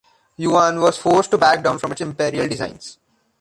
Yuan was forced to back down from his imperial designs.